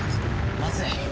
まずい。